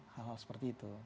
hal hal seperti itu